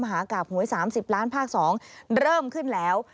หากราบหวย๓๐ล้านภาค๒เริ่มขึ้นแล้ว